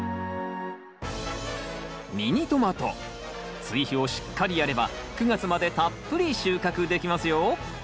ミニトマト追肥をしっかりやれば９月までたっぷり収穫できますよ！